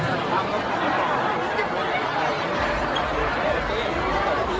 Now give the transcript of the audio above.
การรับความรักมันเป็นอย่างไร